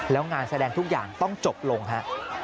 แล้วงานแสดงทุกอย่างต้องจบลงฮะ